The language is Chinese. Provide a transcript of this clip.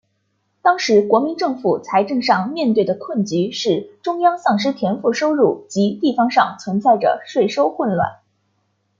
当时国民政府财政上面对的困局是中央丧失田赋收入及地方上存在着税收混乱。